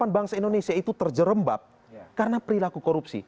sembilan puluh delapan bangsa indonesia itu terjerembab karena perilaku korupsi